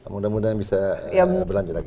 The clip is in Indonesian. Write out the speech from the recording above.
mudah mudahan bisa berlanjut lagi